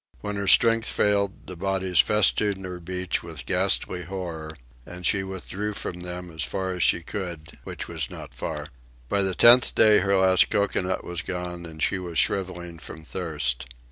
When her strength failed, the bodies festooned her beach with ghastly horror, and she withdrew from them as far as she could, which was not far. By the tenth day her last cocoanut was gone, and she was shrivelling from thirst.